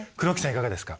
いかがですか？